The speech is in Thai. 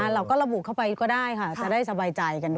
เราก็ระบุเข้าไปก็ได้ค่ะจะได้สบายใจกันด้วย